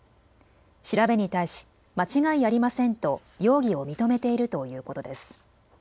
調べに対し間違いありませんと容疑を認めているということです。